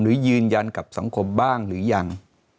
หรือยืนยันกับสังคมบ้างหรือยัง